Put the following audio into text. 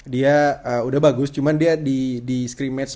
dia udah bagus cuman dia di scrematch